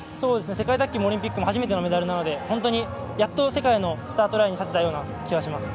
世界卓球もオリンピックも初めてのメダルなのでやっと世界のスタートラインに立てたような気がします。